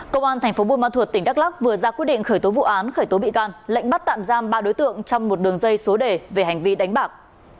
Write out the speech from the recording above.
công an thành phố buôn ma thuột tỉnh đắk lắc vừa ra quyết định khởi tố vụ án khởi tố bị can lệnh bắt tạm giam ba đối tượng trong một đường dây số đề về hành vi đánh bạc